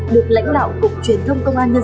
được lãnh đạo cục truyền thông công an nhân dân